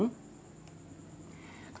katanya ada yang mau bantuin